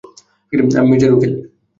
আমি মির্জার উকিল।